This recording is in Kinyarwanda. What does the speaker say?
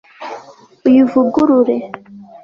uyivugurure